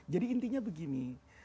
jadi intinya begini